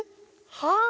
はあ！